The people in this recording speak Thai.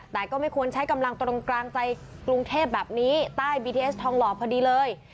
แต่ก็ไม่ควรใช้กำลังตรงกลางใจกรุงเทพแบบนี้ใต้บีทีเอสทองหล่อพอดีเลย